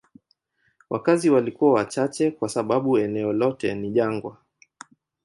Wakazi walikuwa wachache kwa sababu eneo lote ni jangwa.